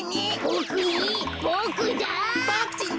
ボクだ！